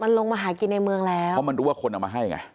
มันลงมาหากินในเมืองแล้วเพราะมันรู้ว่าคนเอามาให้ไง